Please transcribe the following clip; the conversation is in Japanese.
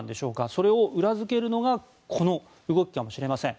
それを裏付けるのがこの動きかもしれません。